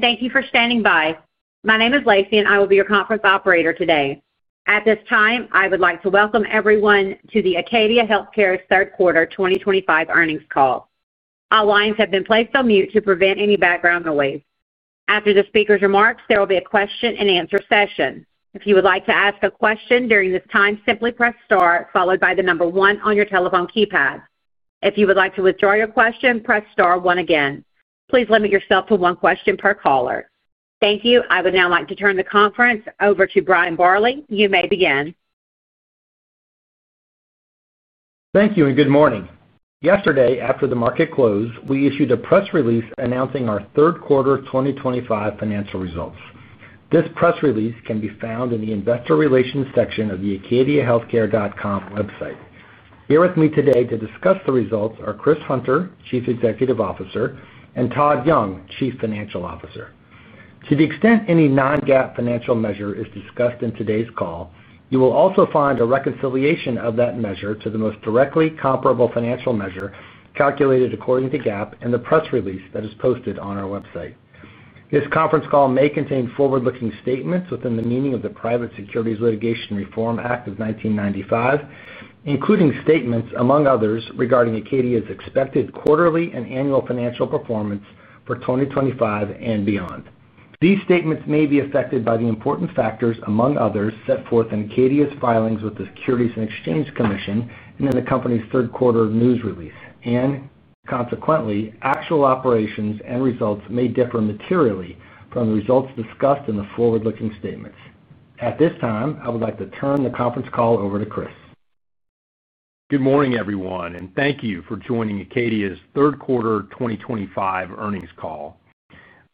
Thank you for standing by. My name is Lacey, and I will be your conference operator today. At this time, I would like to welcome everyone to the Acadia Healthcare third quarter 2025 earnings call. All lines have been placed on mute to prevent any background noise. After the speaker's remarks, there will be a question-and-answer session. If you would like to ask a question during this time, simply press star, followed by the number one on your telephone keypad. If you would like to withdraw your question, press star one again. Please limit yourself to one question per caller. Thank you. I would now like to turn the conference over to Brian Barley. You may begin. Thank you, and good morning. Yesterday, after the market closed, we issued a press release announcing our third quarter 2025 financial results. This press release can be found in the Investor Relations section of the acadiahealthcare.com website. Here with me today to discuss the results are Chris Hunter, Chief Executive Officer, and Todd Young, Chief Financial Officer. To the extent any non-GAAP financial measure is discussed in today's call, you will also find a reconciliation of that measure to the most directly comparable financial measure calculated according to GAAP in the press release that is posted on our website. This conference call may contain forward-looking statements within the meaning of the Private Securities Litigation Reform Act of 1995, including statements, among others, regarding Acadia's expected quarterly and annual financial performance for 2025 and beyond. These statements may be affected by the important factors, among others, set forth in Acadia's filings with the Securities and Exchange Commission and in the company's third quarter news release. Consequently, actual operations and results may differ materially from the results discussed in the forward-looking statements. At this time, I would like to turn the conference call over to Chris. Good morning, everyone, and thank you for joining Acadia's third quarter 2025 earnings call.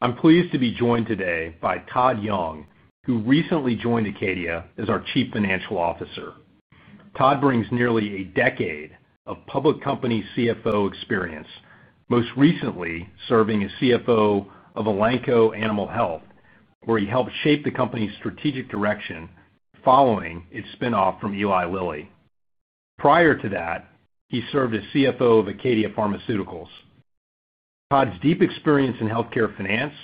I'm pleased to be joined today by Todd Young, who recently joined Acadia as our Chief Financial Officer. Todd brings nearly a decade of public company CFO experience, most recently serving as CFO of Elanco Animal Health, where he helped shape the company's strategic direction following its spinoff from Eli Lilly. Prior to that, he served as CFO of Acadia Pharmaceuticals. Todd's deep experience in healthcare finance,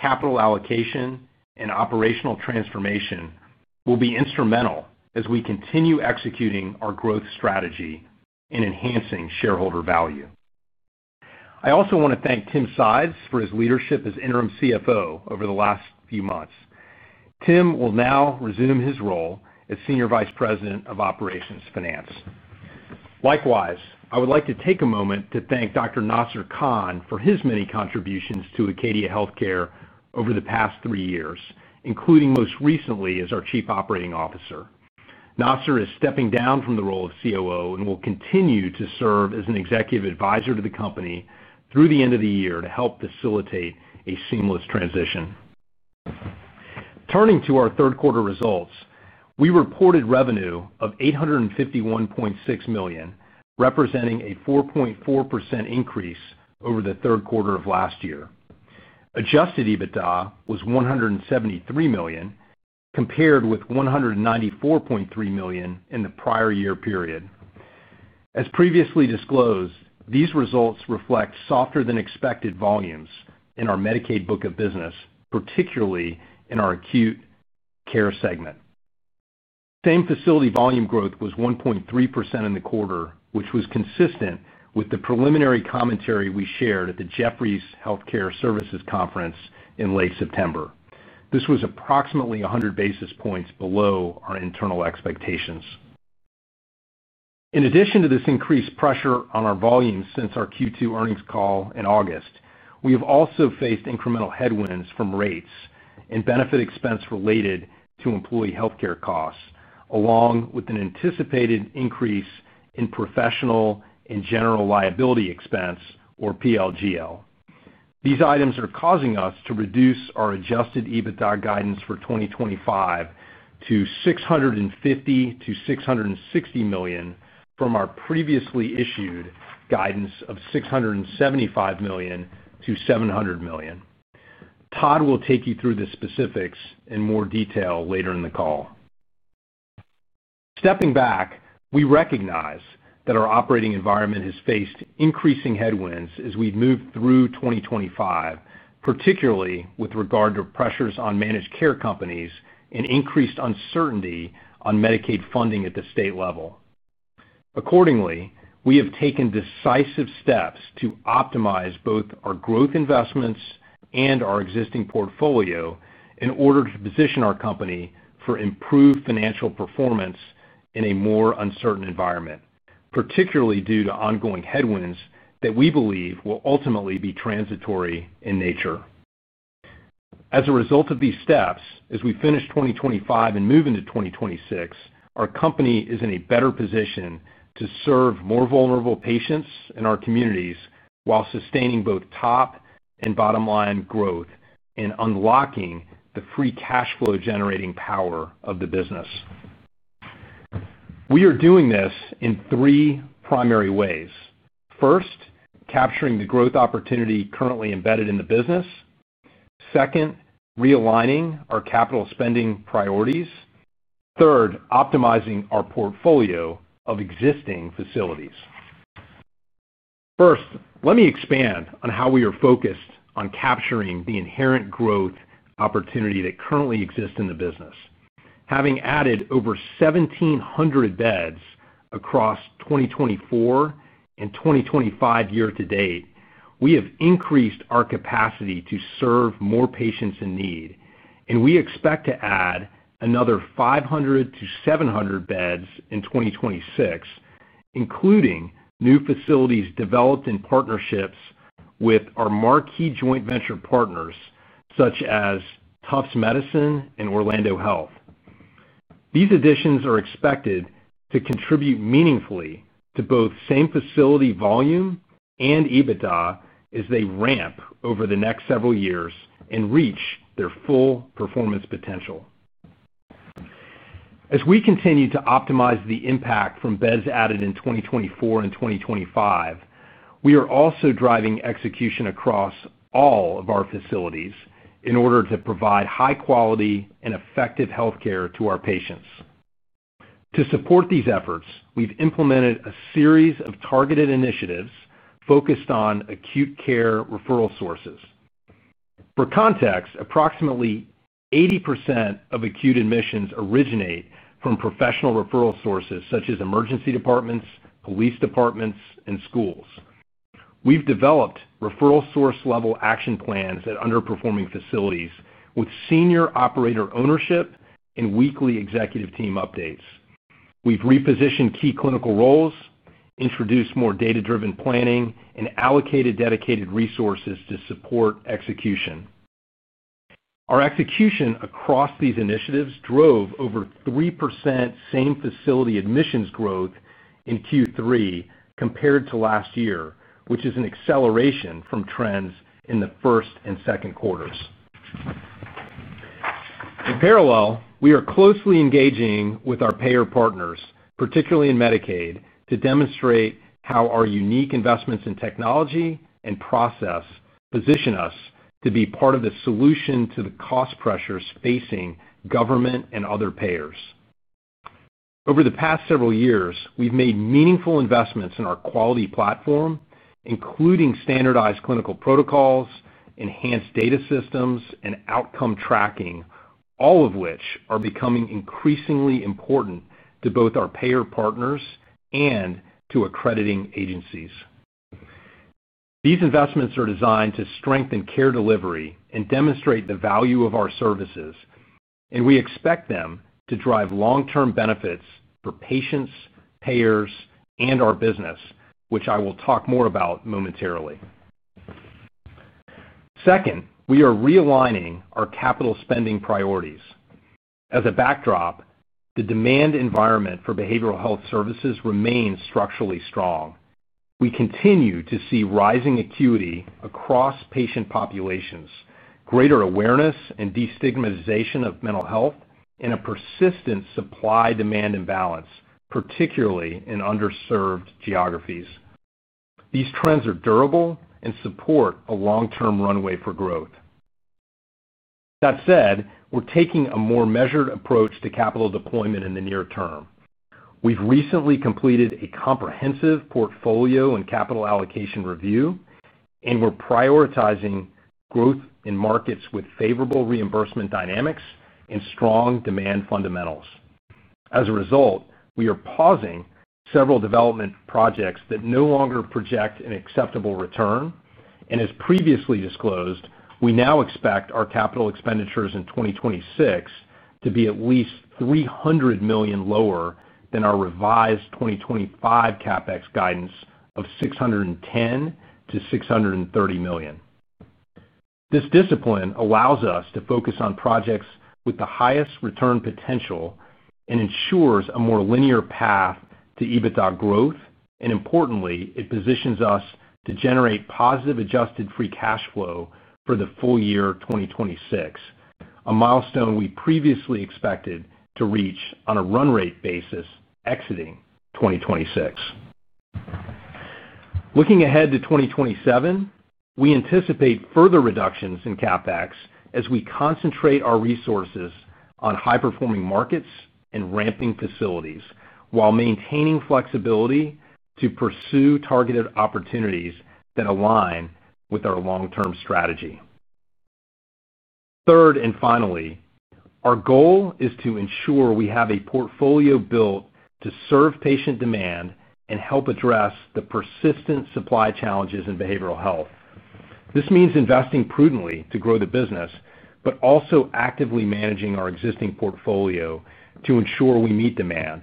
capital allocation, and operational transformation will be instrumental as we continue executing our growth strategy and enhancing shareholder value. I also want to thank Tim Sides for his leadership as interim CFO over the last few months. Tim will now resume his role as Senior Vice President of Operations Finance. Likewise, I would like to take a moment to thank Dr. Nasser Khan for his many contributions to Acadia Healthcare over the past three years, including most recently as our Chief Operating Officer. Nasser is stepping down from the role of COO and will continue to serve as an executive advisor to the company through the end of the year to help facilitate a seamless transition. Turning to our third quarter results, we reported revenue of $851.6 million, representing a 4.4% increase over the third quarter of last year. Adjusted EBITDA was $173 million, compared with $194.3 million in the prior year period. As previously disclosed, these results reflect softer-than-expected volumes in our Medicaid book of business, particularly in our acute care segment. Same facility volume growth was 1.3% in the quarter, which was consistent with the preliminary commentary we shared at the Jefferies Healthcare Services Conference in late September. This was approximately 100 basis points below our internal expectations. In addition to this increased pressure on our volumes since our Q2 earnings call in August, we have also faced incremental headwinds from rates and benefit expense related to employee healthcare costs, along with an anticipated increase in professional and general liability expense, or PLGL. These items are causing us to reduce our Adjusted EBITDA guidance for 2025 to $650 million-$660 million from our previously issued guidance of $675 million-$700 million. Todd will take you through the specifics in more detail later in the call. Stepping back, we recognize that our operating environment has faced increasing headwinds as we move through 2025, particularly with regard to pressures on managed care companies and increased uncertainty on Medicaid funding at the state level. Accordingly, we have taken decisive steps to optimize both our growth investments and our existing portfolio in order to position our company for improved financial performance in a more uncertain environment, particularly due to ongoing headwinds that we believe will ultimately be transitory in nature. As a result of these steps, as we finish 2025 and move into 2026, our company is in a better position to serve more vulnerable patients in our communities while sustaining both top and bottom line growth and unlocking the free cash flow generating power of the business. We are doing this in three primary ways. First, capturing the growth opportunity currently embedded in the business. Second, realigning our capital spending priorities. Third, optimizing our portfolio of existing facilities. First, let me expand on how we are focused on capturing the inherent growth opportunity that currently exists in the business. Having added over 1,700 beds across 2024 and 2025 year-to-date, we have increased our capacity to serve more patients in need, and we expect to add another 500-700 beds in 2026. Including new facilities developed in partnerships with our marquee joint venture partners such as Tufts Medicine and Orlando Health. These additions are expected to contribute meaningfully to both same facility volume and EBITDA as they ramp over the next several years and reach their full performance potential. As we continue to optimize the impact from beds added in 2024 and 2025, we are also driving execution across all of our facilities in order to provide high-quality and effective healthcare to our patients. To support these efforts, we've implemented a series of targeted initiatives focused on acute care referral sources. For context, approximately 80% of acute admissions originate from professional referral sources such as emergency departments, police departments, and schools. We've developed referral source-level action plans at underperforming facilities with senior operator ownership and weekly executive team updates. We've repositioned key clinical roles, introduced more data-driven planning, and allocated dedicated resources to support execution. Our execution across these initiatives drove over 3% same facility admissions growth in Q3 compared to last year, which is an acceleration from trends in the first and second quarters. In parallel, we are closely engaging with our payer partners, particularly in Medicaid, to demonstrate how our unique investments in technology and process position us to be part of the solution to the cost pressures facing government and other payers. Over the past several years, we've made meaningful investments in our quality platform. Including standardized clinical protocols, enhanced data systems, and outcome tracking, all of which are becoming increasingly important to both our payer partners and to accrediting agencies. These investments are designed to strengthen care delivery and demonstrate the value of our services, and we expect them to drive long-term benefits for patients, payers, and our business, which I will talk more about momentarily. Second, we are realigning our capital spending priorities. As a backdrop, the demand environment for behavioral health services remains structurally strong. We continue to see rising acuity across patient populations, greater awareness and destigmatization of mental health, and a persistent supply-demand imbalance, particularly in underserved geographies. These trends are durable and support a long-term runway for growth. That said, we're taking a more measured approach to capital deployment in the near term. We've recently completed a comprehensive portfolio and capital allocation review, and we're prioritizing growth in markets with favorable reimbursement dynamics and strong demand fundamentals. As a result, we are pausing several development projects that no longer project an acceptable return, and as previously disclosed, we now expect our capital expenditures in 2026 to be at least $300 million lower than our revised 2025 CapEx guidance of $610 million-$630 million. This discipline allows us to focus on projects with the highest return potential and ensures a more linear path to EBITDA growth, and importantly, it positions us to generate positive adjusted free cash flow for the full year 2026. A milestone we previously expected to reach on a run rate basis exiting 2026. Looking ahead to 2027, we anticipate further reductions in CapEx as we concentrate our resources on high-performing markets and ramping facilities while maintaining flexibility to pursue targeted opportunities that align with our long-term strategy. Third and finally, our goal is to ensure we have a portfolio built to serve patient demand and help address the persistent supply challenges in behavioral health. This means investing prudently to grow the business, but also actively managing our existing portfolio to ensure we meet demand,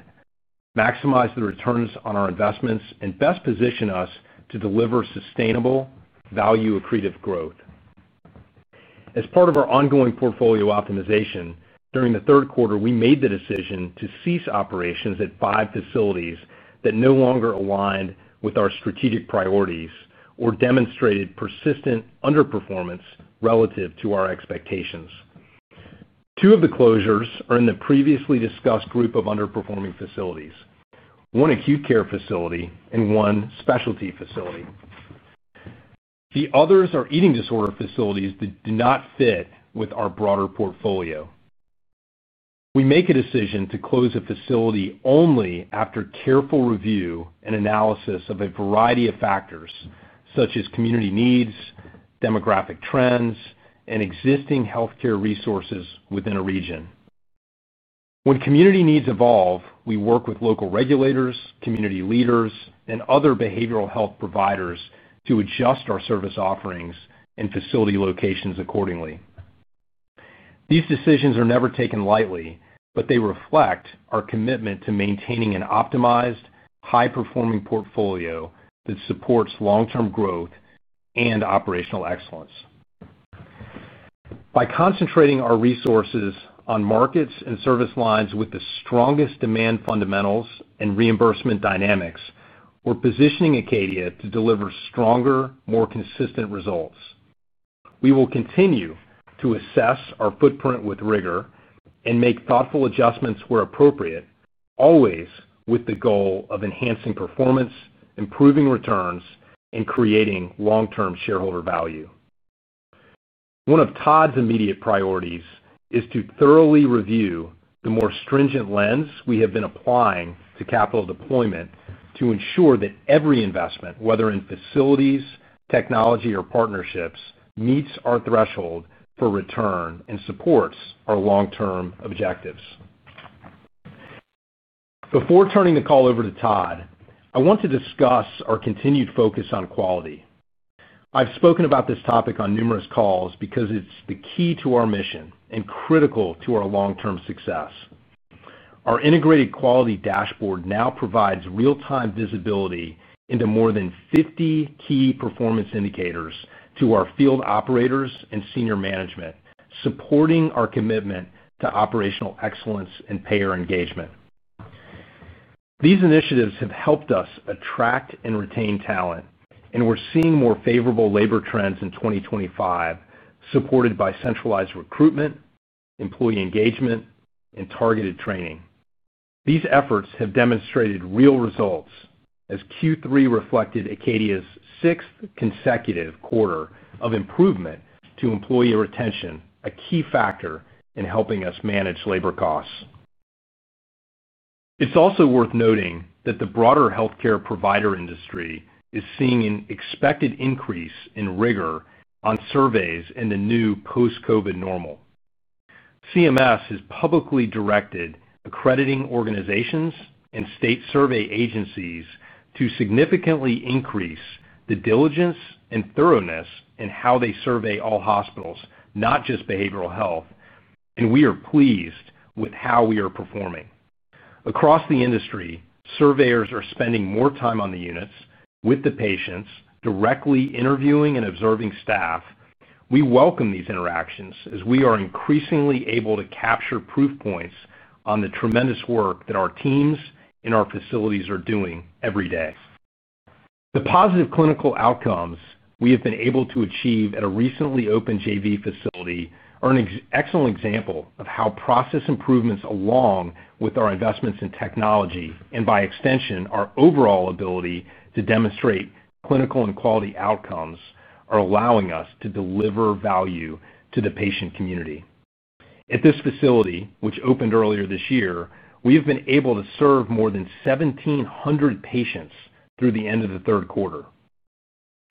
maximize the returns on our investments, and best position us to deliver sustainable value-accretive growth. As part of our ongoing portfolio optimization, during the third quarter, we made the decision to cease operations at five facilities that no longer aligned with our strategic priorities or demonstrated persistent underperformance relative to our expectations. Two of the closures are in the previously discussed group of underperforming facilities, one acute care facility and one specialty facility. The others are eating disorder facilities that do not fit with our broader portfolio. We make a decision to close a facility only after careful review and analysis of a variety of factors such as community needs, demographic trends, and existing healthcare resources within a region. When community needs evolve, we work with local regulators, community leaders, and other behavioral health providers to adjust our service offerings and facility locations accordingly. These decisions are never taken lightly, but they reflect our commitment to maintaining an optimized, high-performing portfolio that supports long-term growth and operational excellence. By concentrating our resources on markets and service lines with the strongest demand fundamentals and reimbursement dynamics, we're positioning Acadia to deliver stronger, more consistent results. We will continue to assess our footprint with rigor and make thoughtful adjustments where appropriate, always with the goal of enhancing performance, improving returns, and creating long-term shareholder value. One of Todd's immediate priorities is to thoroughly review the more stringent lens we have been applying to capital deployment to ensure that every investment, whether in facilities, technology, or partnerships, meets our threshold for return and supports our long-term objectives. Before turning the call over to Todd, I want to discuss our continued focus on quality. I've spoken about this topic on numerous calls because it's the key to our mission and critical to our long-term success. Our integrated quality dashboard now provides real-time visibility into more than 50 key performance indicators to our field operators and senior management, supporting our commitment to operational excellence and payer engagement. These initiatives have helped us attract and retain talent, and we're seeing more favorable labor trends in 2025, supported by centralized recruitment, employee engagement, and targeted training. These efforts have demonstrated real results as Q3 reflected Acadia's sixth consecutive quarter of improvement to employee retention, a key factor in helping us manage labor costs. It's also worth noting that the broader healthcare provider industry is seeing an expected increase in rigor on surveys and the new post-COVID normal. CMS has publicly directed accrediting organizations and state survey agencies to significantly increase the diligence and thoroughness in how they survey all hospitals, not just behavioral health, and we are pleased with how we are performing. Across the industry, surveyors are spending more time on the units with the patients, directly interviewing and observing staff. We welcome these interactions as we are increasingly able to capture proof points on the tremendous work that our teams and our facilities are doing every day. The positive clinical outcomes we have been able to achieve at a recently opened JV facility are an excellent example of how process improvements, along with our investments in technology and by extension, our overall ability to demonstrate clinical and quality outcomes, are allowing us to deliver value to the patient community. At this facility, which opened earlier this year, we have been able to serve more than 1,700 patients through the end of the third quarter.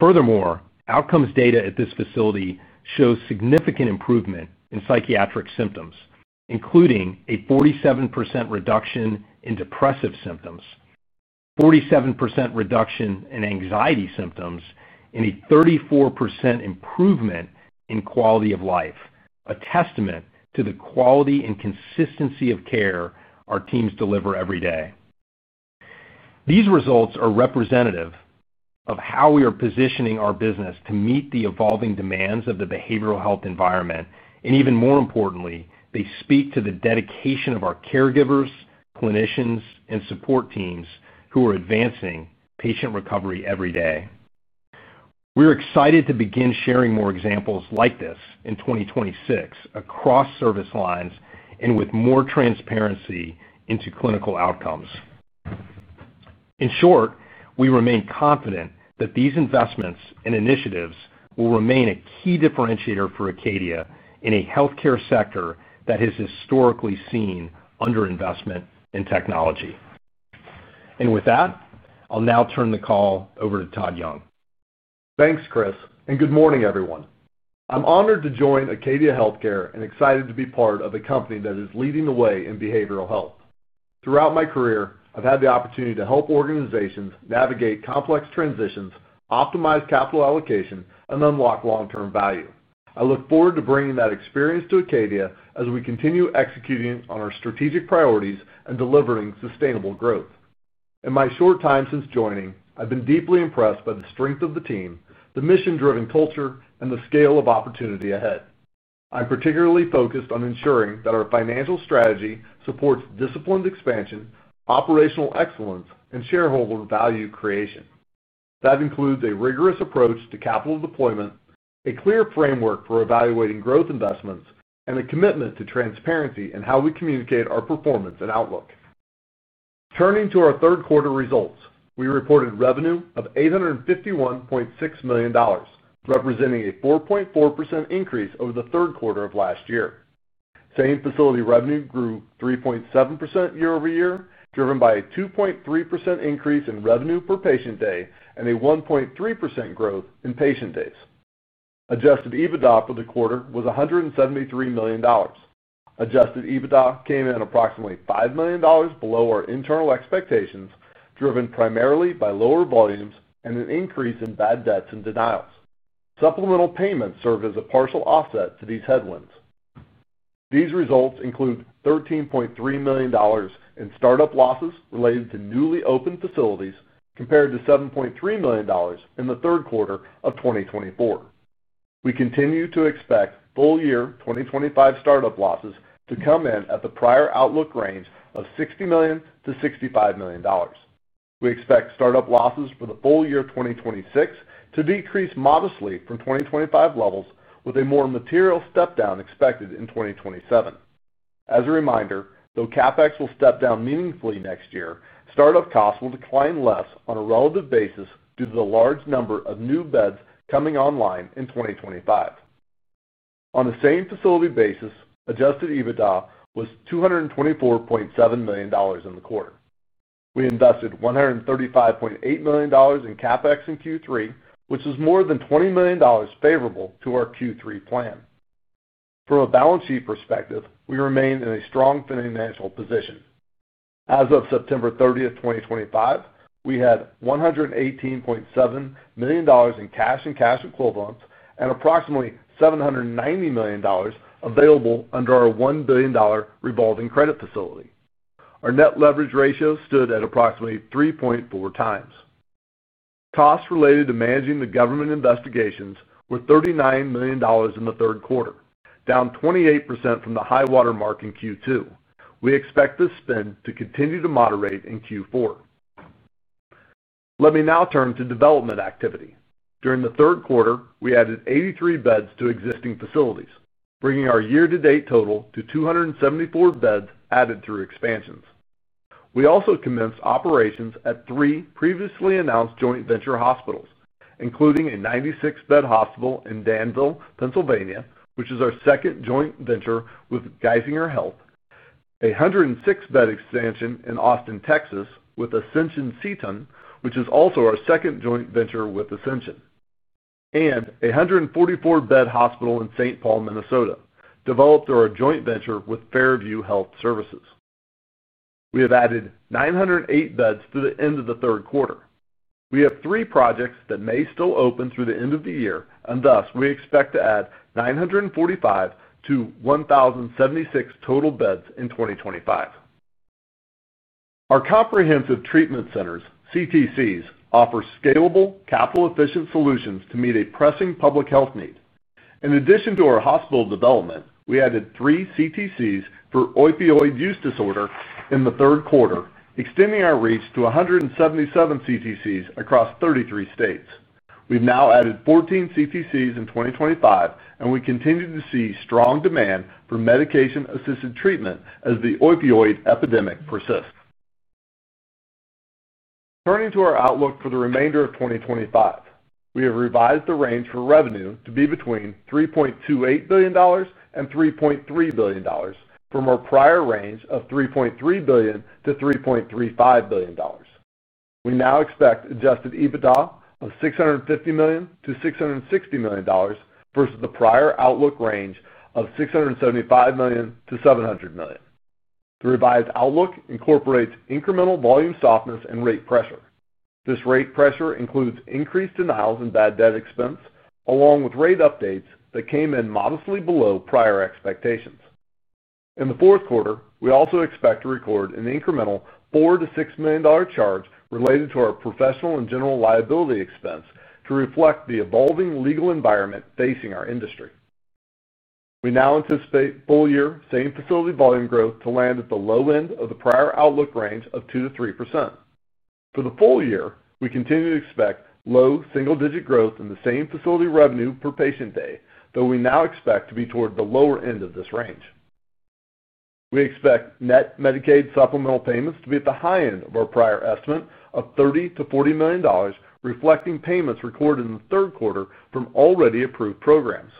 Furthermore, outcomes data at this facility shows significant improvement in psychiatric symptoms, including a 47% reduction in depressive symptoms, a 47% reduction in anxiety symptoms, and a 34% improvement in quality of life, a testament to the quality and consistency of care our teams deliver every day. These results are representative of how we are positioning our business to meet the evolving demands of the behavioral health environment, and even more importantly, they speak to the dedication of our caregivers, clinicians, and support teams who are advancing patient recovery every day. We're excited to begin sharing more examples like this in 2026 across service lines and with more transparency into clinical outcomes. In short, we remain confident that these investments and initiatives will remain a key differentiator for Acadia in a healthcare sector that has historically seen underinvestment in technology. With that, I'll now turn the call over to Todd Young. Thanks, Chris, and good morning, everyone. I'm honored to join Acadia Healthcare and excited to be part of a company that is leading the way in behavioral health. Throughout my career, I've had the opportunity to help organizations navigate complex transitions, optimize capital allocation, and unlock long-term value. I look forward to bringing that experience to Acadia as we continue executing on our strategic priorities and delivering sustainable growth. In my short time since joining, I've been deeply impressed by the strength of the team, the mission-driven culture, and the scale of opportunity ahead. I'm particularly focused on ensuring that our financial strategy supports disciplined expansion, operational excellence, and shareholder value creation. That includes a rigorous approach to capital deployment, a clear framework for evaluating growth investments, and a commitment to transparency in how we communicate our performance and outlook. Turning to our third-quarter results, we reported revenue of $851.6 million, representing a 4.4% increase over the third quarter of last year. Same facility revenue grew 3.7% year-over-year, driven by a 2.3% increase in revenue per patient day and a 1.3% growth in patient days. Adjusted EBITDA for the quarter was $173 million. Adjusted EBITDA came in approximately $5 million below our internal expectations, driven primarily by lower volumes and an increase in bad debts and denials. Supplemental payments served as a partial offset to these headwinds. These results include $13.3 million in startup losses related to newly opened facilities compared to $7.3 million in the third quarter of 2024. We continue to expect full-year 2025 startup losses to come in at the prior outlook range of $60 million-$65 million. We expect startup losses for the full year 2026 to decrease modestly from 2025 levels, with a more material step-down expected in 2027. As a reminder, though CapEx will step down meaningfully next year, startup costs will decline less on a relative basis due to the large number of new beds coming online in 2025. On the same facility basis, Adjusted EBITDA was $224.7 million in the quarter. We invested $135.8 million in CapEx in Q3, which is more than $20 million favorable to our Q3 plan. From a balance sheet perspective, we remain in a strong financial position. As of September 30, 2025, we had $118.7 million in cash and cash equivalents and approximately $790 million available under our $1 billion revolving credit facility. Our net leverage ratio stood at approximately 3.4x. Costs related to managing the government investigations were $39 million in the third quarter, down 28% from the high watermark in Q2. We expect this spend to continue to moderate in Q4. Let me now turn to development activity. During the third quarter, we added 83 beds to existing facilities, bringing our year-to-date total to 274 beds added through expansions. We also commenced operations at three previously announced joint venture hospitals, including a 96-bed hospital in Danville, Pennsylvania, which is our second joint venture with Geisinger Health, a 106-bed expansion in Austin, Texas, with Ascension Seton, which is also our second joint venture with Ascension. A 144-bed hospital in St. Paul, Minnesota, developed through our joint venture with Fairview Health Services. We have added 908 beds through the end of the third quarter. We have three projects that may still open through the end of the year, and thus we expect to add 945-1,076 total beds in 2025. Our comprehensive treatment centers, CTCs, offer scalable, capital-efficient solutions to meet a pressing public health need. In addition to our hospital development, we added three CTCs for opioid use disorder in the third quarter, extending our reach to 177 CTCs across 33 states. We've now added 14 CTCs in 2025, and we continue to see strong demand for medication-assisted treatment as the opioid epidemic persists. Turning to our outlook for the remainder of 2025, we have revised the range for revenue to be between $3.28 billion and $3.3 billion, from our prior range of $3.3 billion-$3.35 billion. We now expect Adjusted EBITDA of $650 million-$660 million versus the prior outlook range of $675 million-$700 million. The revised outlook incorporates incremental volume softness and rate pressure. This rate pressure includes increased denials and bad debt expense, along with rate updates that came in modestly below prior expectations. In the fourth quarter, we also expect to record an incremental $4 million-$6 million charge related to our professional and general liability expense to reflect the evolving legal environment facing our industry. We now anticipate full-year same-facility volume growth to land at the low end of the prior outlook range of 2%-3%. For the full year, we continue to expect low single-digit growth in the same facility revenue per patient day, though we now expect to be toward the lower end of this range. We expect net Medicaid supplemental payments to be at the high end of our prior estimate of $30 million-$40 million, reflecting payments recorded in the third quarter from already approved programs.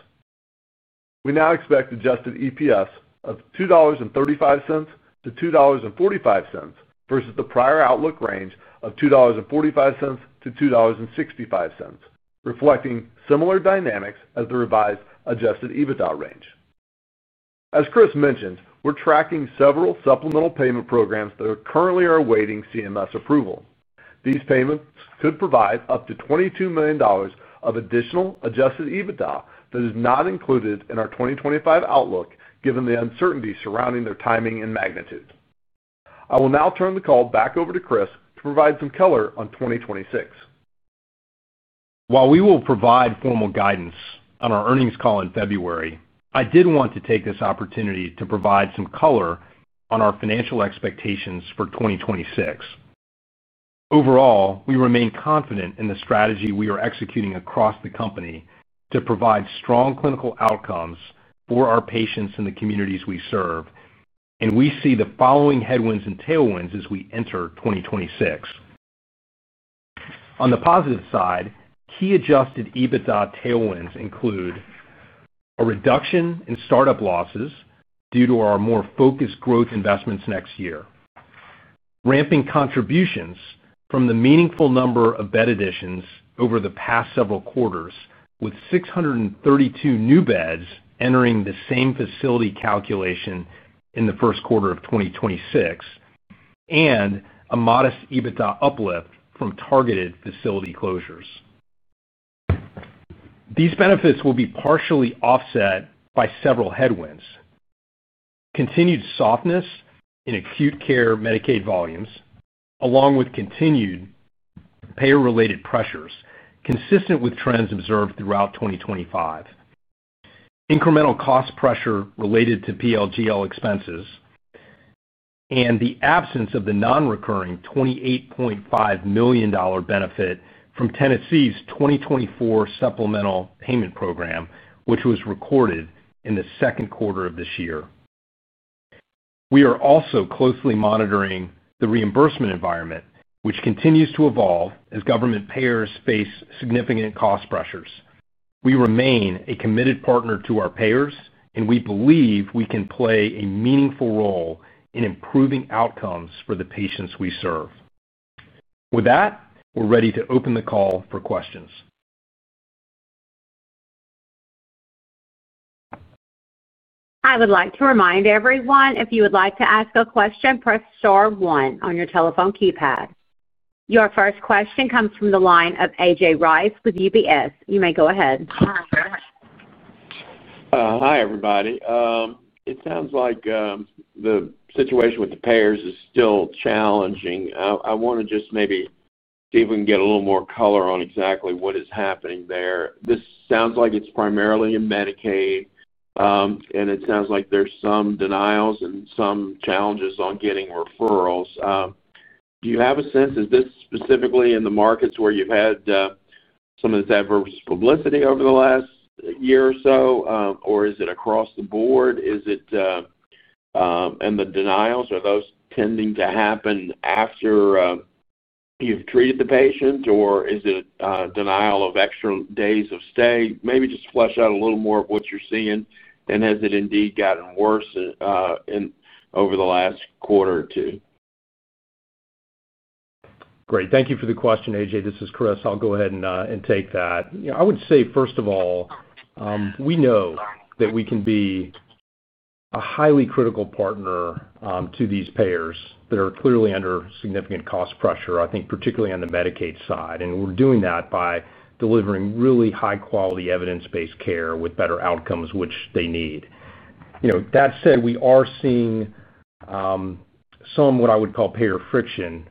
We now expect adjusted EPS of $2.35-$2.45 versus the prior outlook range of $2.45-$2.65, reflecting similar dynamics as the revised Adjusted EBITDA range. As Chris mentioned, we're tracking several supplemental payment programs that are currently awaiting CMS approval. These payments could provide up to $22 million of additional Adjusted EBITDA that is not included in our 2025 outlook, given the uncertainty surrounding their timing and magnitude. I will now turn the call back over to Chris to provide some color on 2026. While we will provide formal guidance on our earnings call in February, I did want to take this opportunity to provide some color on our financial expectations for 2026. Overall, we remain confident in the strategy we are executing across the company to provide strong clinical outcomes for our patients and the communities we serve, and we see the following headwinds and tailwinds as we enter 2026. On the positive side, key Adjusted EBITDA tailwinds include a reduction in startup losses due to our more focused growth investments next year, ramping contributions from the meaningful number of bed additions over the past several quarters, with 632 new beds entering the same facility calculation in the first quarter of 2026, and a modest EBITDA uplift from targeted facility closures. These benefits will be partially offset by several headwinds. Continued softness in acute care Medicaid volumes, along with continued payer-related pressures consistent with trends observed throughout 2025, and incremental cost pressure related to PLGL expenses. The absence of the non-recurring $28.5 million benefit from Tennessee's 2024 supplemental payment program, which was recorded in the second quarter of this year. We are also closely monitoring the reimbursement environment, which continues to evolve as government payers face significant cost pressures. We remain a committed partner to our payers, and we believe we can play a meaningful role in improving outcomes for the patients we serve. With that, we're ready to open the call for questions. I would like to remind everyone, if you would like to ask a question, press star one on your telephone keypad. Your first question comes from the line of AJ Rice with UBS. You may go ahead. Hi, everybody. It sounds like the situation with the payers is still challenging. I want to just maybe see if we can get a little more color on exactly what is happening there. This sounds like it's primarily in Medicaid. It sounds like there's some denials and some challenges on getting referrals. Do you have a sense? Is this specifically in the markets where you've had some of this adverse publicity over the last year or so, or is it across the board? Is it, and the denials, are those tending to happen after you've treated the patient, or is it a denial of extra days of stay? Maybe just flesh out a little more of what you're seeing, and has it indeed gotten worse over the last quarter or two? Great. Thank you for the question, AJ. This is Chris. I'll go ahead and take that. I would say, first of all, we know that we can be a highly critical partner to these payers that are clearly under significant cost pressure, I think, particularly on the Medicaid side. We are doing that by delivering really high-quality evidence-based care with better outcomes, which they need. That said, we are seeing some, what I would call, payer friction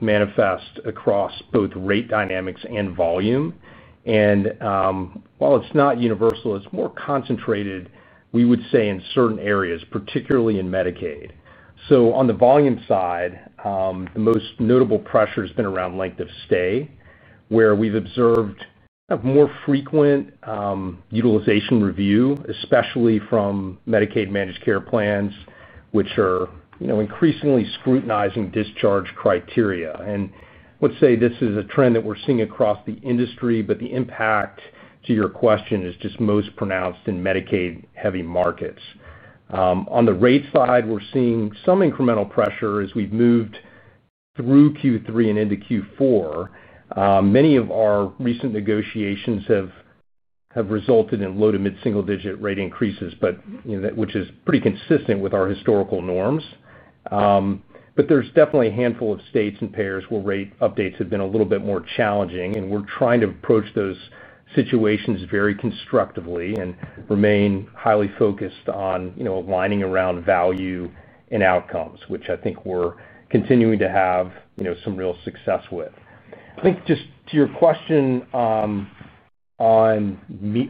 manifest across both rate dynamics and volume. While it is not universal, it is more concentrated, we would say, in certain areas, particularly in Medicaid. On the volume side, the most notable pressure has been around length of stay, where we have observed more frequent utilization review, especially from Medicaid managed care plans, which are increasingly scrutinizing discharge criteria. I would say this is a trend that we are seeing across the industry, but the impact, to your question, is just most pronounced in Medicaid-heavy markets. On the rate side, we are seeing some incremental pressure as we have moved through Q3 and into Q4. Many of our recent negotiations have resulted in low to mid-single-digit rate increases, which is pretty consistent with our historical norms. There is definitely a handful of states and payers where rate updates have been a little bit more challenging. We are trying to approach those situations very constructively and remain highly focused on aligning around value and outcomes, which I think we are continuing to have some real success with. I think just to your question on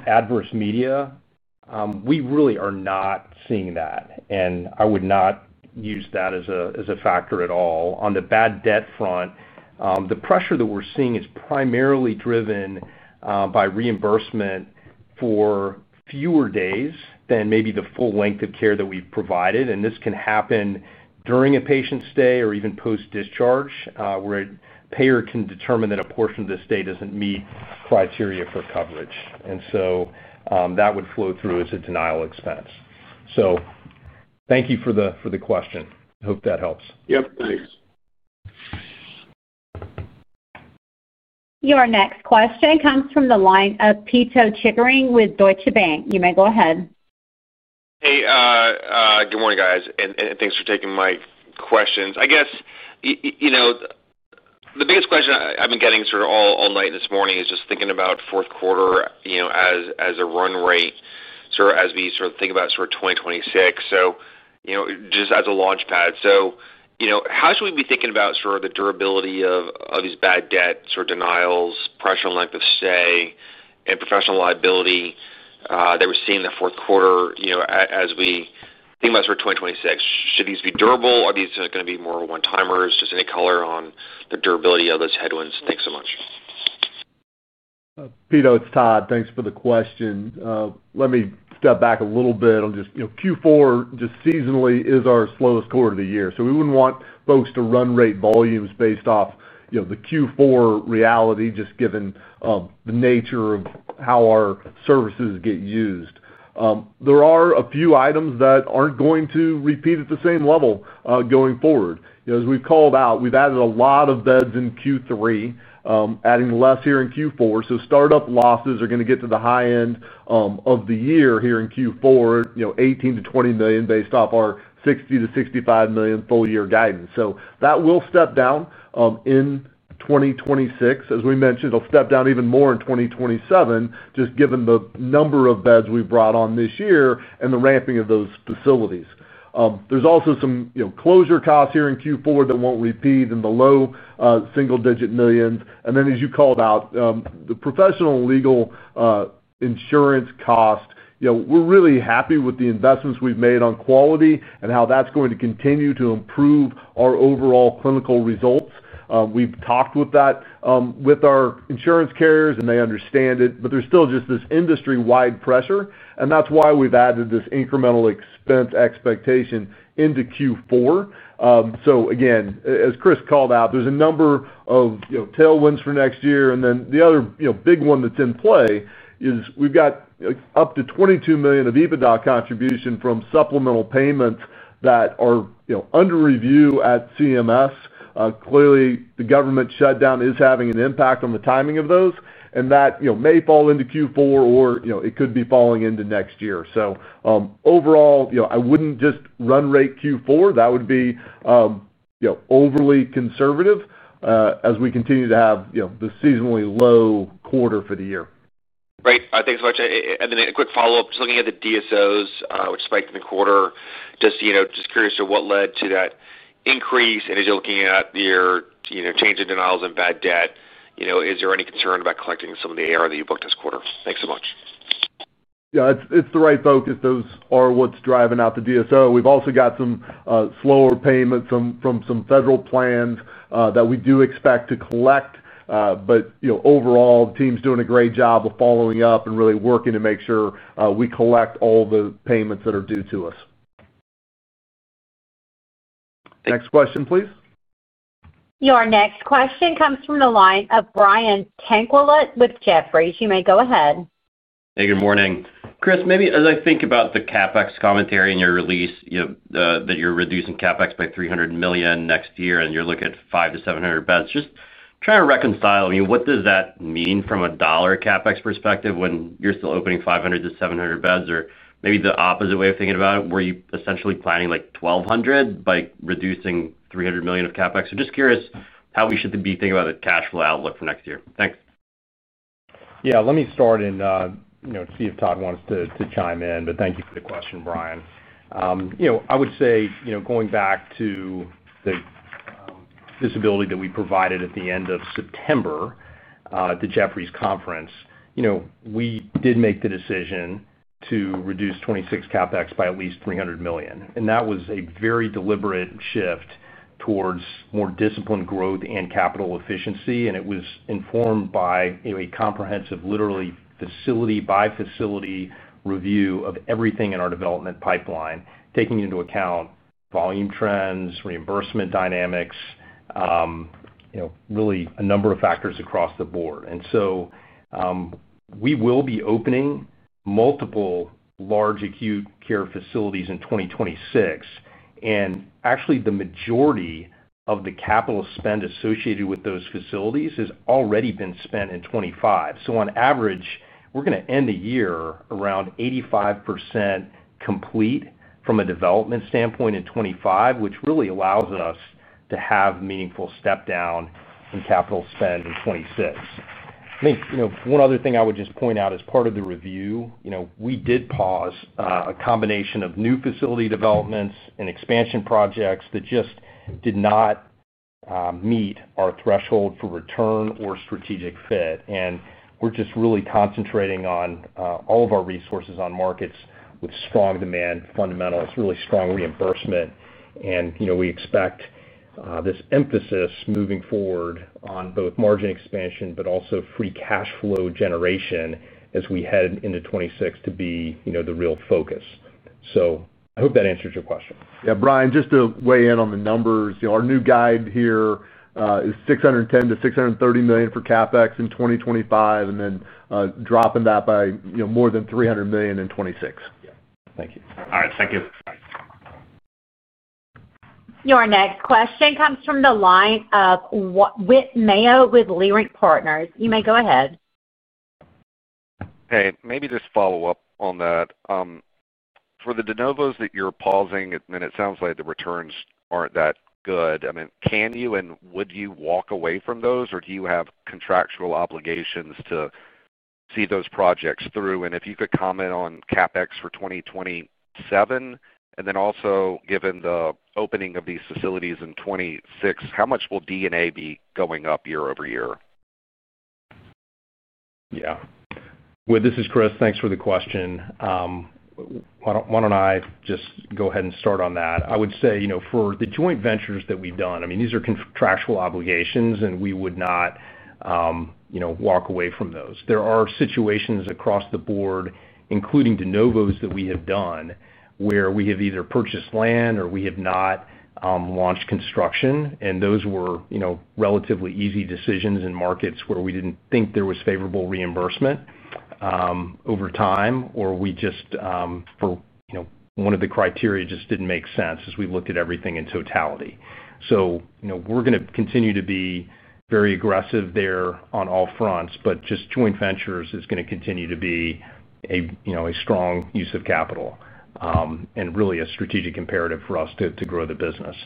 adverse media, we really are not seeing that, and I would not use that as a factor at all. On the bad debt front, the pressure that we are seeing is primarily driven by reimbursement for fewer days than maybe the full length of care that we have provided. This can happen during a patient's stay or even post-discharge, where a payer can determine that a portion of the stay does not meet criteria for coverage. That would flow through as a denial expense. Thank you for the question. I hope that helps. Yep. Thanks. Your next question comes from the line of Pito Chickering with Deutsche Bank. You may go ahead. Hey. Good morning, guys. Thanks for taking my questions. I guess the biggest question I have been getting all night and this morning is just thinking about fourth quarter as a run rate as we think about 2026. Just as a launchpad, how should we be thinking about the durability of these bad debts, or denials, pressure on length of stay, and professional liability that we are seeing in the fourth quarter as we think about 2026? Should these be durable? Are these going to be more one-timers? Any color on the durability of those headwinds? Thanks so much. Peter, it's Todd. Thanks for the question. Let me step back a little bit. Q4, just seasonally, is our slowest quarter of the year. We wouldn't want folks to run rate volumes based off the Q4 reality, just given the nature of how our services get used. There are a few items that aren't going to repeat at the same level going forward. As we've called out, we've added a lot of beds in Q3, adding less here in Q4. Startup losses are going to get to the high end of the year here in Q4, $18 million-$20 million based off our $60 million-$65 million full-year guidance. That will step down. In 2026, as we mentioned, it'll step down even more in 2027, just given the number of beds we've brought on this year and the ramping of those facilities. There's also some closure costs here in Q4 that will not repeat in the low single-digit millions. As you called out, the professional legal insurance cost. We are really happy with the investments we have made on quality and how that is going to continue to improve our overall clinical results. We have talked about that with our insurance carriers, and they understand it. There is still just this industry-wide pressure, and that is why we have added this incremental expense expectation into Q4. Again, as Chris called out, there are a number of tailwinds for next year. The other big one that is in play is we have up to $22 million of EBITDA contribution from supplemental payments that are under review at CMS. Clearly, the government shutdown is having an impact on the timing of those, and that may fall into Q4, or it could be falling into next year. Overall, I would not just run rate Q4. That would be overly conservative as we continue to have the seasonally low quarter for the year. Great, thanks so much. And then a quick follow-up. Just looking at the DSOs, which spiked in the quarter, just curious to what led to that increase. And as you are looking at your change in denials and bad debt, is there any concern about collecting some of the AR that you booked this quarter? Thanks so much. Yeah, it is the right focus. Those are what is driving out the DSO. We have also got some slower payments from some federal plans that we do expect to collect. Overall, the team is doing a great job of following up and really working to make sure we collect all the payments that are due to us. Next question, please. Your next question comes from the line of Brian Tanquilut with Jefferies. You may go ahead. Hey. Good morning. Chris, maybe as I think about the CapEx commentary in your release that you're reducing CapEx by $300 million next year and you're looking at 500-700 beds, just trying to reconcile, I mean, what does that mean from a dollar CapEx perspective when you're still opening 500-700 beds? Or maybe the opposite way of thinking about it, were you essentially planning like 1,200 by reducing $300 million of CapEx? Just curious how we should be thinking about the cash flow outlook for next year. Thanks. Yeah. Let me start and see if Todd wants to chime in. Thank you for the question, Brian. I would say going back to the visibility that we provided at the end of September to Jefferies Conference.We did make the decision to reduce 2026 CapEx by at least $300 million. That was a very deliberate shift towards more disciplined growth and capital efficiency. It was informed by a comprehensive, literally facility-by-facility review of everything in our development pipeline, taking into account volume trends, reimbursement dynamics, really a number of factors across the board. We will be opening multiple large acute care facilities in 2026. Actually, the majority of the capital spend associated with those facilities has already been spent in 2025. On average, we're going to end the year around 85% complete from a development standpoint in 2025, which really allows us to have meaningful step down in capital spend in 2026. I think one other thing I would just point out as part of the review, we did pause a combination of new facility developments and expansion projects that just did not meet our threshold for return or strategic fit. We are just really concentrating all of our resources on markets with strong demand, fundamentals, really strong reimbursement. We expect this emphasis moving forward on both margin expansion but also free cash flow generation as we head into 2026 to be the real focus. I hope that answers your question. Yeah. Brian, just to weigh in on the numbers, our new guide here is $610 million-$630 million for CapEx in 2025, and then dropping that by more than $300 million in 2026. Yeah. Thank you. All right. Thank you. Your next question comes from the line of Whit Mayo with Leerink Partners. You may go ahead. Hey. Maybe just follow up on that. For the de novos that you're pausing, I mean, it sounds like the returns aren't that good. I mean, can you and would you walk away from those, or do you have contractual obligations to see those projects through? If you could comment on CapEx for 2027, and then also given the opening of these facilities in 2026, how much will DNA be going up year-over-year? Yeah. This is Chris. Thanks for the question. Why don't I just go ahead and start on that? I would say for the joint ventures that we've done, I mean, these are contractual obligations, and we would not walk away from those. There are situations across the board, including de novos that we have done, where we have either purchased land or we have not launched construction. Those were relatively easy decisions in markets where we did not think there was favorable reimbursement over time, or we just for one of the criteria just did not make sense as we looked at everything in totality. We are going to continue to be very aggressive there on all fronts, but just joint ventures is going to continue to be a strong use of capital. It is really a strategic imperative for us to grow the business.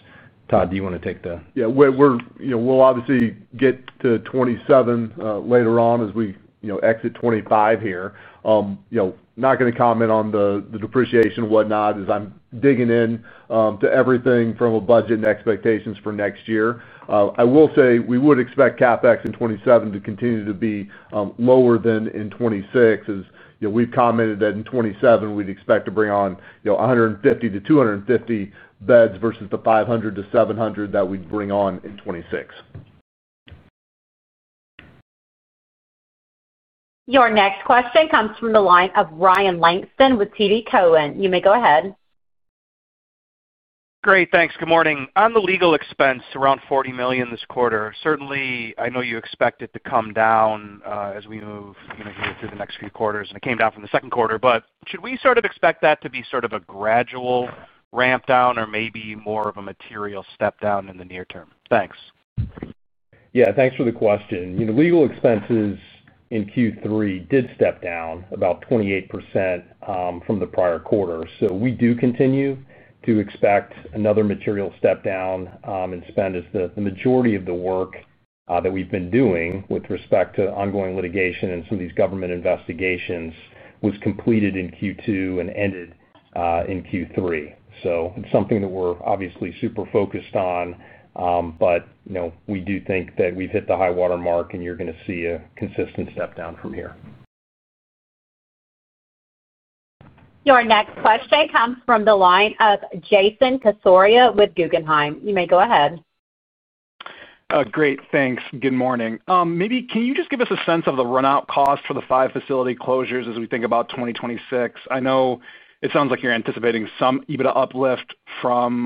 Todd, do you want to take the— Yeah. We will obviously get to 2027 later on as we exit 2025 here. Not going to comment on the depreciation and whatnot as I am digging into everything from a budget and expectations for next year. I will say we would expect CapEx in 2027 to continue to be lower than in 2026, as we've commented that in 2027 we'd expect to bring on 150-250 beds versus the 500-700 that we'd bring on in 2026. Your next question comes from the line of Ryan Langston with TD Cowen. You may go ahead. Great. Thanks. Good morning. On the legal expense, around $40 million this quarter, certainly, I know you expect it to come down as we move here through the next few quarters. It came down from the second quarter. Should we sort of expect that to be sort of a gradual ramp down or maybe more of a material step down in the near term? Thanks. Yeah. Thanks for the question. Legal expenses in Q3 did step down about 28% from the prior quarter. We do continue to expect another material step down in spend as the majority of the work that we've been doing with respect to ongoing litigation and some of these government investigations was completed in Q2 and ended in Q3. It's something that we're obviously super focused on. We do think that we've hit the high watermark, and you're going to see a consistent step down from here. Your next question comes from the line of Jason Cassorla with Guggenheim. You may go ahead. Great. Thanks. Good morning. Maybe can you just give us a sense of the run-out cost for the five facility closures as we think about 2026? I know it sounds like you're anticipating some EBITDA uplift from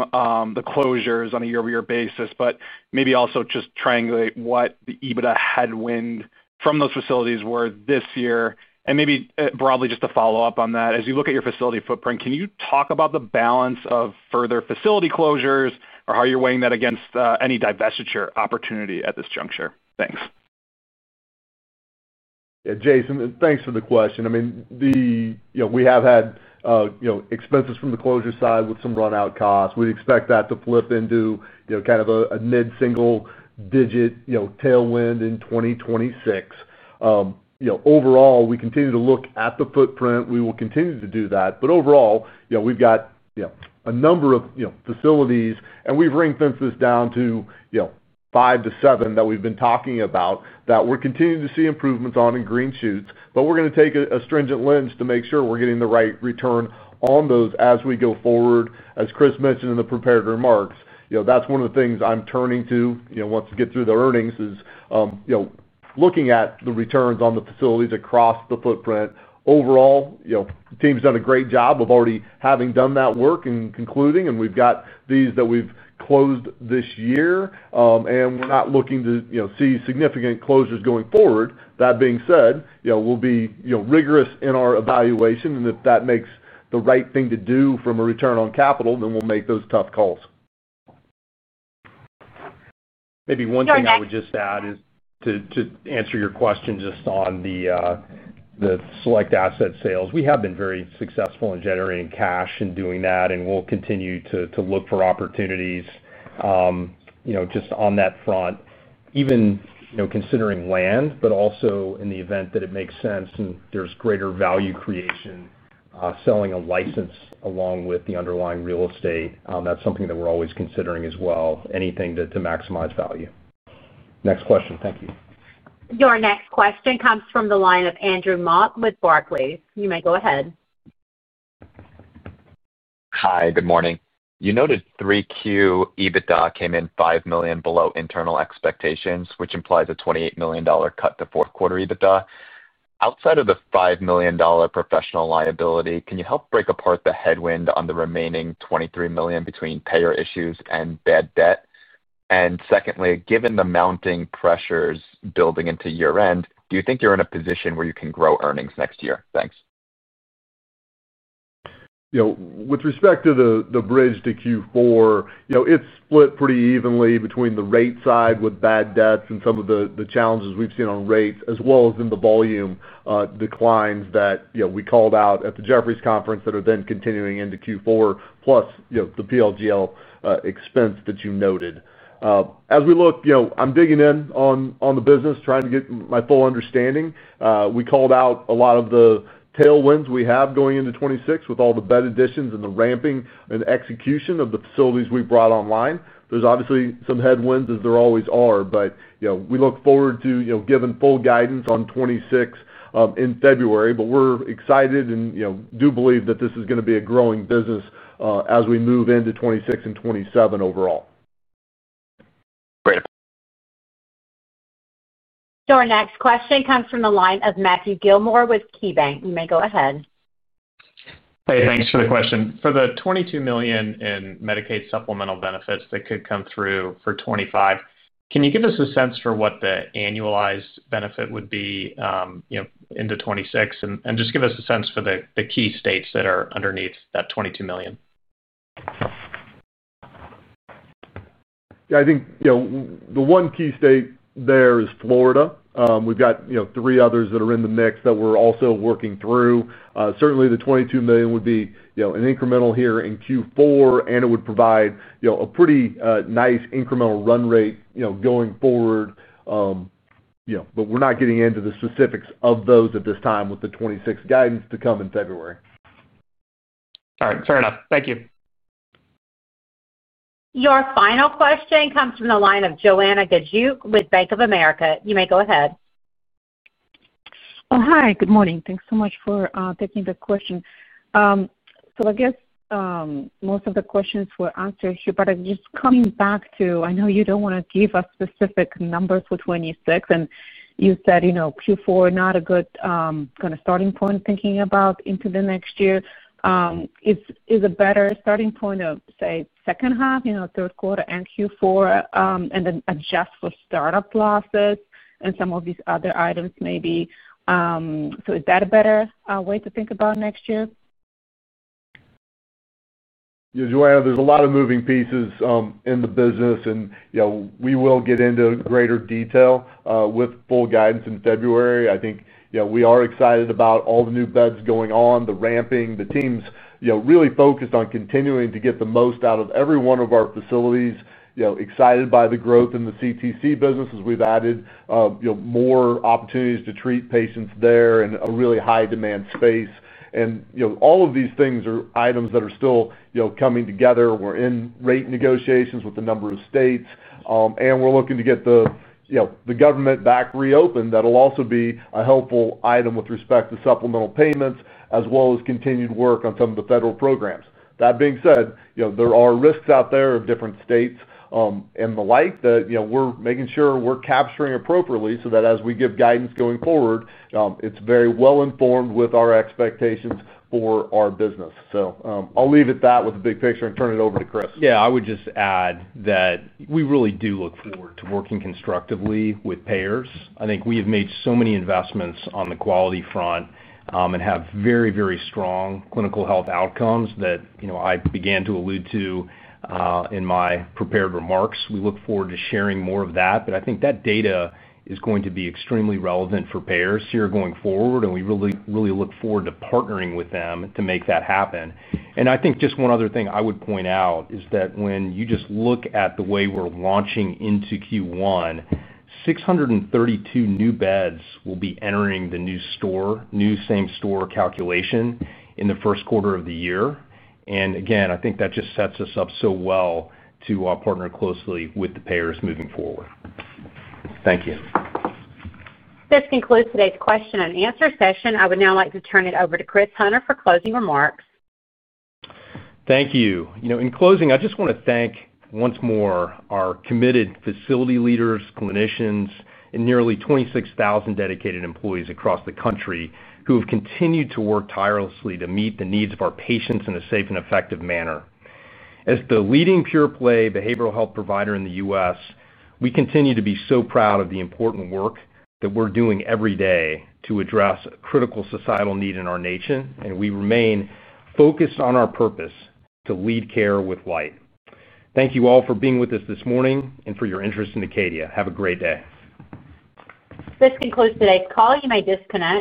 the closures on a year-over-year basis, but maybe also just triangulate what the EBITDA headwind from those facilities were this year. Maybe broadly, just to follow up on that, as you look at your facility footprint, can you talk about the balance of further facility closures or how you're weighing that against any divestiture opportunity at this juncture? Thanks. Yeah. Jason, thanks for the question. I mean, we have had expenses from the closure side with some run-out costs. We expect that to flip into kind of a mid-single-digit tailwind in 2026. Overall, we continue to look at the footprint. We will continue to do that. Overall, we've got a number of facilities, and we've ring-fenced this down to five to seven that we've been talking about that we're continuing to see improvements on in green shoots. We're going to take a stringent lens to make sure we're getting the right return on those as we go forward. As Chris mentioned in the preparatory remarks, that's one of the things I'm turning to once we get through the earnings is looking at the returns on the facilities across the footprint. Overall, the team's done a great job of already having done that work and concluding, and we've got these that we've closed this year. We're not looking to see significant closures going forward. That being said, we'll be rigorous in our evaluation. If that makes the right thing to do from a return on capital, then we'll make those tough calls. Maybe one thing I would just add is to answer your question just on the select asset sales. We have been very successful in generating cash and doing that, and we'll continue to look for opportunities just on that front, even. Considering land, but also in the event that it makes sense and there's greater value creation, selling a license along with the underlying real estate, that's something that we're always considering as well, anything to maximize value. Next question. Thank you. Your next question comes from the line of Andrew Mott with Barclays. You may go ahead. Hi. Good morning. You noted 3Q EBITDA came in $5 million below internal expectations, which implies a $28 million cut to fourth-quarter EBITDA. Outside of the $5 million professional liability, can you help break apart the headwind on the remaining $23 million between payer issues and bad debt? And secondly, given the mounting pressures building into year-end, do you think you're in a position where you can grow earnings next year? Thanks. With respect to the bridge to Q4, it's split pretty evenly between the rate side with bad debts and some of the challenges we've seen on rates, as well as in the volume declines that we called out at the Jefferies Conference that are then continuing into Q4, plus the PLGL expense that you noted. As we look, I'm digging in on the business, trying to get my full understanding. We called out a lot of the tailwinds we have going into 2026 with all the bed additions and the ramping and execution of the facilities we brought online. There's obviously some headwinds as there always are, but we look forward to giving full guidance on 2026 in February. We are excited and do believe that this is going to be a growing business as we move into 2026 and 2027 overall. Great. Your next question comes from the line of Matthew Gilmour with KeyBanc. You may go ahead. Hey. Thanks for the question. For the $22 million in Medicaid supplemental benefits that could come through for 2025, can you give us a sense for what the annualized benefit would be into 2026? And just give us a sense for the key states that are underneath that $22 million. Yeah. I think the one key state there is Florida. We've got three others that are in the mix that we're also working through. Certainly, the $22 million would be incremental here in Q4, and it would provide a pretty nice incremental run rate going forward. But we're not getting into the specifics of those at this time with the 2026 guidance to come in February. All right. Fair enough. Thank you. Your final question comes from the line of Joanna Gajuk with Bank of America. You may go ahead. Oh, hi. Good morning. Thanks so much for taking the question. I guess most of the questions were answered here. Just coming back to, I know you do not want to give us specific numbers for 2026, and you said Q4 is not a good kind of starting point thinking about into the next year. Is a better starting point, say, second half, third quarter, and Q4, and then adjust for startup losses and some of these other items maybe? Is that a better way to think about next year? Yeah. Joanna, there are a lot of moving pieces in the business, and we will get into greater detail with full guidance in February.I think we are excited about all the new beds going on, the ramping, the team's really focused on continuing to get the most out of every one of our facilities, excited by the growth in the CTC business as we've added more opportunities to treat patients there in a really high-demand space. All of these things are items that are still coming together. We're in rate negotiations with a number of states, and we're looking to get the government back reopened. That'll also be a helpful item with respect to supplemental payments as well as continued work on some of the federal programs. That being said, there are risks out there of different states and the like that we're making sure we're capturing appropriately so that as we give guidance going forward, it's very well-informed with our expectations for our business. I'll leave it at that with the big picture and turn it over to Chris. Yeah. I would just add that we really do look forward to working constructively with payers. I think we have made so many investments on the quality front and have very, very strong clinical health outcomes that I began to allude to in my prepared remarks. We look forward to sharing more of that. I think that data is going to be extremely relevant for payers here going forward, and we really look forward to partnering with them to make that happen. I think just one other thing I would point out is that when you just look at the way we're launching into Q1, 632 new beds will be entering the new same-store calculation in the first quarter of the year. I think that just sets us up so well to partner closely with the payers moving forward. Thank you. This concludes today's question and answer session. I would now like to turn it over to Chris Hunter for closing remarks. Thank you. In closing, I just want to thank once more our committed facility leaders, clinicians, and nearly 26,000 dedicated employees across the country who have continued to work tirelessly to meet the needs of our patients in a safe and effective manner. As the leading pure-play behavioral health provider in the U.S., we continue to be so proud of the important work that we're doing every day to address a critical societal need in our nation, and we remain focused on our purpose to lead care with light. Thank you all for being with us this morning and for your interest in Acadia. Have a great day. This concludes today's call. You may disconnect.